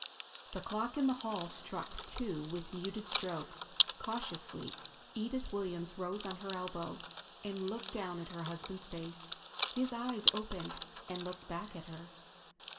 The clock in the hall struck two with muted strokes. Cautiously Edith Williams rose on her elbow and looked down at her husband's face. His eyes opened and looked back at her.